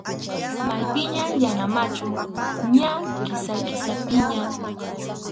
Maypiñam yana machu, ña Kisa-Kisapiña.